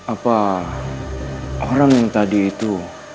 apa orang yang tadi itu